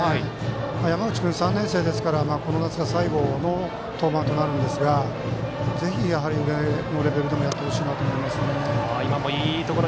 山口君は３年生ですからこの夏が最後の登板となるんですがぜひ上のレベルでもやってほしいですね。